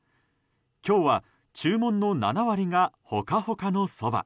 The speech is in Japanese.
今日は注文の７割がホカホカのそば。